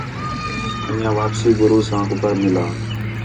انڄیاں واپسی گُرو ساں کُکر مِلاں